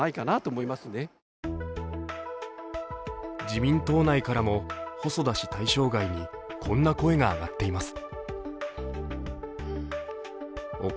自民党内からも細田氏対象外にこんな声が上がっています。